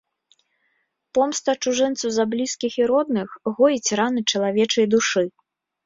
Помста чужынцу за блізкіх і родных гоіць раны чалавечай душы.